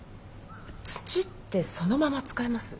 土ってそのまま使えます？